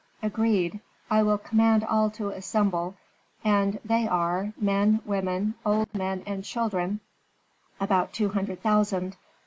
Agreed. I will command all to assemble, and they are, men, women, old men, and children, about two hundred thousand.